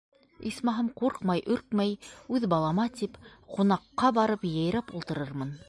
Исмаһам, ҡурҡмай-өркмәй үҙ балама тип, ҡунаҡҡа барып йәйрәп ултырырмын.